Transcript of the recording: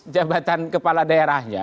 jabatan kepala daerahnya